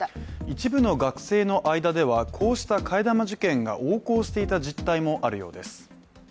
一部の学生の間では、こうした替え玉受検が横行していた実態もあるようです。